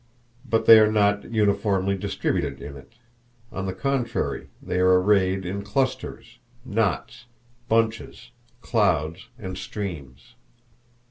But they are not uniformly distributed in it; on the contrary, they are arrayed in clusters, knots, bunches, clouds, and streams.